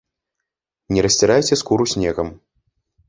Не расцірайце скуру снегам.